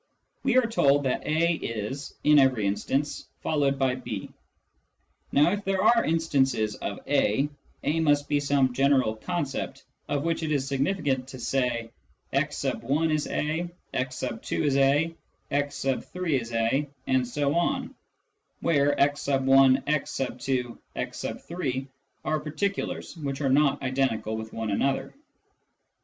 We are told that A is, in every instance, followed by B. Now if there are " instances " of A, A must be some general concept of which it is significant to say " x 1 is A," "* 2 is A," " x 3 is A," and so on, where x 1} x 2 , x 3 are particulars which are not identical one with another.